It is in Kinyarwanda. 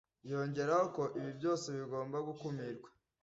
yongeraho ko ibi byose bigomba gukumirwa